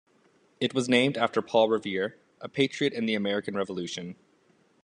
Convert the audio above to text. It was named after Paul Revere, a patriot in the American Revolution.